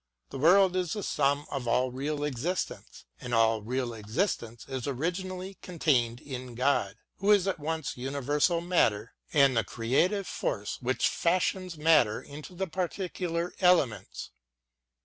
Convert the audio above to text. The world is the sum of all real existence, and all real existence is originally contained in God, who is at once universal matter and the creative no WORDSWORTH AS A TEACHER force which fashions matter into the particular elements.